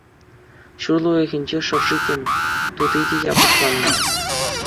Ҫурла уйӑхӗнче шӑрши те, тути те япӑхланнӑ.